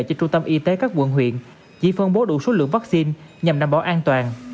cho trung tâm y tế các quận huyện chỉ phân bố đủ số lượng vaccine nhằm đảm bảo an toàn